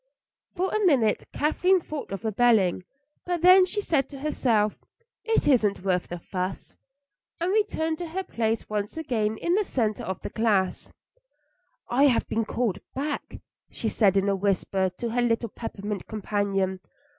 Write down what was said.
For a minute Kathleen thought of rebelling, but then she said to herself, "It isn't worth the fuss," and returned to her place once again in the centre of the class. "I have been called back," she said in a whisper to her little peppermint companion.